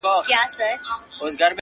پر مخ لاسونه په دوعا مات کړي,